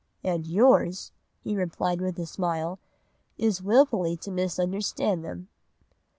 "'And yours,' he replied with a smile, 'is wilfully to misunderstand them.